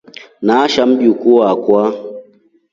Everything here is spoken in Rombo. Nashaa Mjukuu akwa.